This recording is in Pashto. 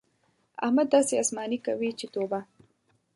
احمد داسې اسماني کوي چې توبه!